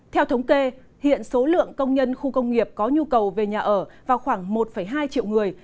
theo thống kê hiện số lượng công nhân khu công nghiệp có nhu cầu về nhà ở vào khoảng một hai triệu người